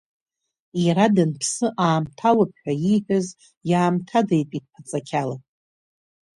Иара данԥсы, аамҭалоуп ҳәа ииҳәаз, иаамҭадаитәит Ԥаҵақьала.